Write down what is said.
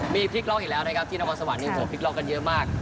มีภิกรองอีกแล้วนะครับที่นครสวรรค์นี้ภิกรองอยู่กันเยอะมาก